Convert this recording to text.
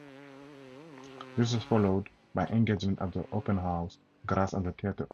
This was followed by engagements at the Opernhaus Graz and the Theater Augsburg.